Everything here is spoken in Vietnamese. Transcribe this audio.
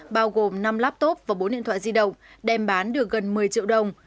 bao gồm năm laptop và bốn điện thoại di động đem bán được gần một mươi triệu đồng